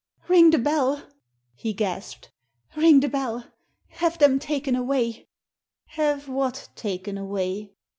"Ring the bell!" he gasped. "Ring the bell! Have them taken away!" " Have what taken away